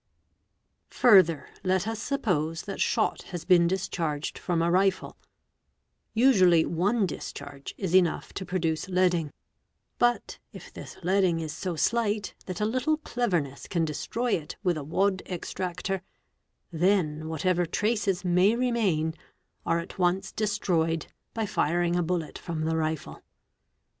_ Further let us suppose that shot has been discharged from a rifle; usu ally, one discharge is enough to produce "leading"; but, if this leading is so slight that a little cleverness can destroy it with a wad extractor, then whatever traces may remain are at once destroyed by firing a bullet from the rifle.